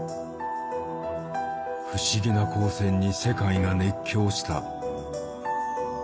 不思議な光線に世界が熱狂した。